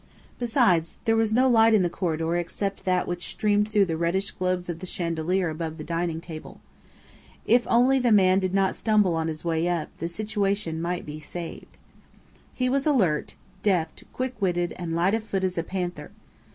Besides, there was no light in the corridor except that which streamed through the reddish globes of the chandelier above the dining table. If only the man did not stumble on his way up, the situation might be saved. He was alert, deft, quick witted, and light of foot as a panther.